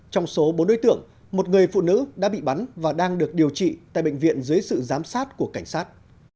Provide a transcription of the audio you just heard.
trong số bốn đối tượng một người phụ nữ đã bị bắn và đang được điều trị tại bệnh viện dưới sự giám sát của cảnh sát